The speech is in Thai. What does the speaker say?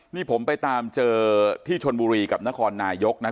นี่ผมไปตามเจอที่ชนบุรีกับนครนายกนะ